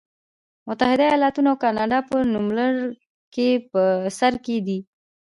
متحده ایالتونه او کاناډا په نوملړ کې په سر کې دي.